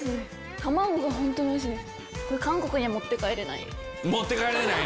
卵が本当においしいです。